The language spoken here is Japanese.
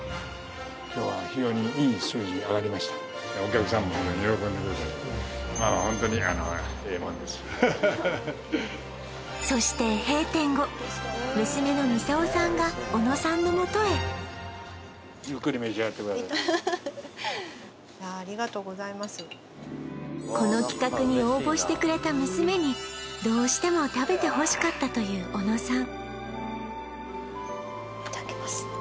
今日はそして閉店後この企画に応募してくれた娘にどうしても食べてほしかったという小野さん